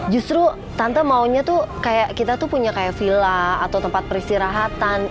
justru tante maunya tuh kayak kita tuh punya kayak villa atau tempat peristirahatan